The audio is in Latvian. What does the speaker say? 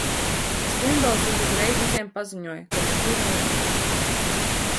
Es vienbalsīgi uzreiz visiem paziņoju, ka nekur neiešu.